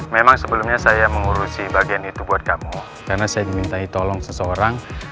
memang sebelumnya saya mengurusi bagian itu buat kamu karena saya dimintai tolong seseorang